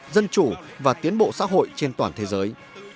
dân chủ và tiến bộ xã hội trên toàn thế giới